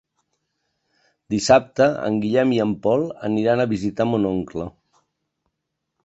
Dissabte en Guillem i en Pol aniran a visitar mon oncle.